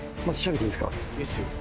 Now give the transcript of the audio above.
いいっすよ